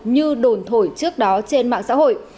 như đồn thổi trước đó trên mạng xã hội